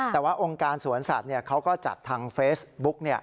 แต่ว่าองค์การสวนสัตว์เขาก็จัดทางเฟซบุ๊ก